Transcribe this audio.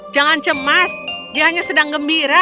jangan cemas dia hanya sedang gembira